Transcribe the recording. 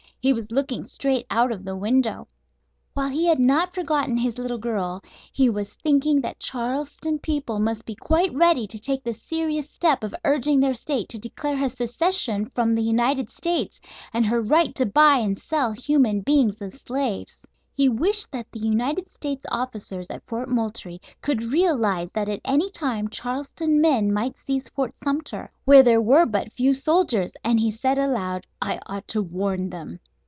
He was looking straight out of the window. While he had not forgotten his little girl he was thinking that Charleston people must be quite ready to take the serious step of urging their State to declare her secession from the United States, and her right to buy and sell human beings as slaves. He wished that the United States officers at Fort Moultrie could realize that at any time Charleston men might seize Fort Sumter, where there were but few soldiers, and he said aloud: "I ought to warn them."